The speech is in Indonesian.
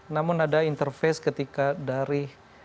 namun ada interface ketika dari